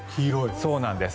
そうなんです。